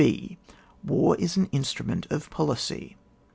J5.— WAR IS AN INSTRUMENT OF POLICY.